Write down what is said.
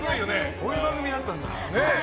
こういう番組だったんだ。